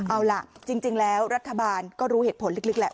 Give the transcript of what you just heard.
เอาล่ะจริงแล้วรัฐบาลก็รู้เหตุผลลึกแหละ